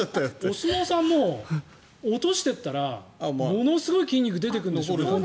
お相撲さんも落としていったらものすごい筋肉が本当は出てくるんでしょうね。